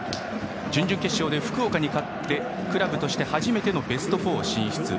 準々決勝で福岡に勝ってクラブとして初めてのベスト４進出。